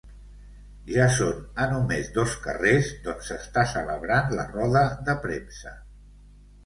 Ja són a només dos carrers d'on s'està celebrant la roda de premsa.